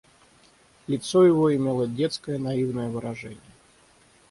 Лицо его имело детское, наивное выражение.